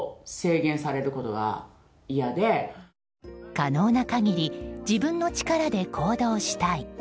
可能な限り自分の力で行動したい。